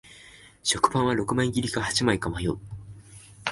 食パンは六枚切りか八枚か迷う